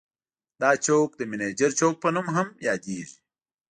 دا چوک د منجر چوک په نوم هم یادیږي.